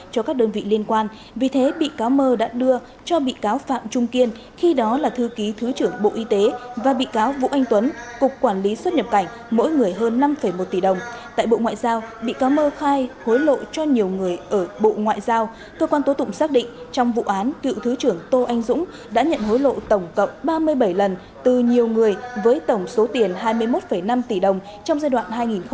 hối lộ cho nhiều người ở bộ ngoại giao cơ quan tố tụng xác định trong vụ án cựu thứ trưởng tô anh dũng đã nhận hối lộ tổng cộng ba mươi bảy lần từ nhiều người với tổng số tiền hai mươi một năm tỷ đồng trong giai đoạn hai nghìn hai mươi hai nghìn hai mươi một